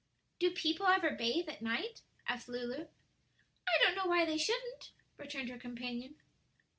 "Do people ever bathe at night?" asked Lulu. "I don't know why they shouldn't," returned her companion.